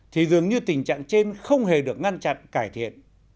thì dường như tình trạng trên không hề được ngăn chặn cải thiện